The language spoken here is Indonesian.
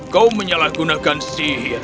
kau menyalahgunakan sihir